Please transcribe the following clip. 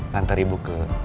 kantar ibu ke